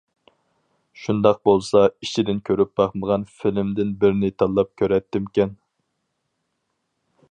شۇنداق بولسا ئىچىدىن كۆرۈپ باقمىغان فىلىمدىن بىرنى تاللاپ كۆرەتتىمكەن.